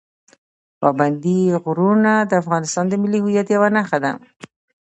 پابندي غرونه د افغانستان د ملي هویت یوه نښه ده.